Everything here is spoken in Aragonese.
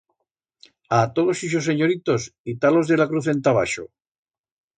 A todos ixos senyoritos, itar-los de la Cruz enta abaixo.